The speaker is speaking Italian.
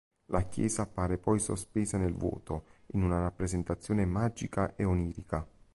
La chiesa appare poi sospesa nel vuoto, in una rappresentazione magica e onirica.